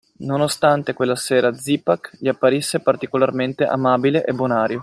Nonostante quella sera Zipak gli apparisse particolarmente amabile e bonario